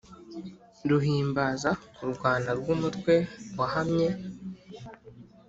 Ruhimbaza kurwana rw’umutwe wahamye